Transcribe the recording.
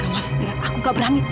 kamu masih liat aku gak berani